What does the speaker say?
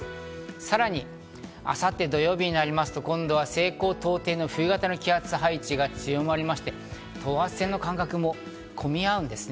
さらに明後日土曜日になりますと今度は西高東低の冬型の気圧配置が強まりまして、等圧線の間隔も混み合うんですね。